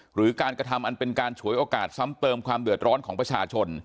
หรือการกระทำอันเป็นการฉวยโอกาสซ้ำเติมความเดือดร้อนของประชาชน